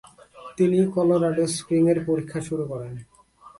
তিনি Colorado spring এর পরীক্ষা শুরু করেন।